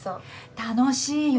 楽しいよ。